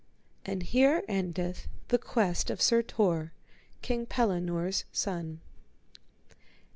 And here endeth the quest of Sir Tor, King Pellinore's son.